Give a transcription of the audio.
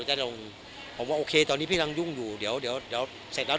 แต่ได้เอาผมว่าโอเคตอนนี้พี่คงยุ่งอยู่เดี๋ยวเดี๋ยวเสร็จแล้ว